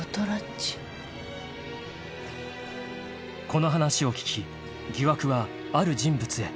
［この話を聞き疑惑はある人物へ］